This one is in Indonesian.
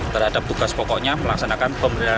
terhadap tugas pokoknya melaksanakan pembelajaran